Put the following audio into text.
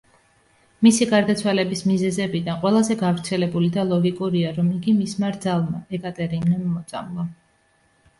მისი გარდაცვალების მიზეზებიდან, ყველაზე გავრცელებული და ლოგიკურია, რომ იგი მისმა რძალმა ეკატერინემ მოწამლა.